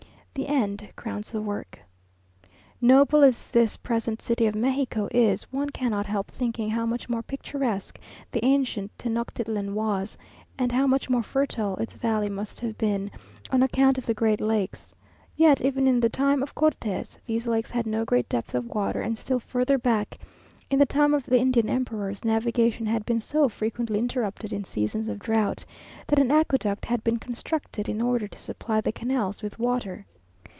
"The end crowns the work." Noble as this present city of Mexico is, one cannot help thinking how much more picturesque the ancient Tenochtitlan was, and how much more fertile its valley must have been, on account of the great lakes. Yet even in the time of Cortes these lakes had no great depth of water, and still further back, in the time of the Indian Emperors, navigation had been so frequently interrupted in seasons of drought, that an aqueduct had been constructed in order to supply the canals with water.